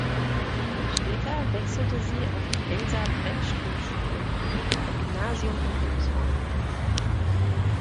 Später wechselte sie auf die Elsa-Brändström-Schule, ein Gymnasium in Elmshorn.